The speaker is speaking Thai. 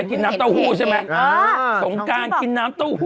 เวลาไม่พออ่ะเมน